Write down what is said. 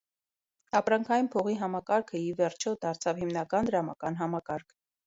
Ապրանքային փողի համակարգը, ի վերջո, դարձավ հիմնական դրամական համակարգ։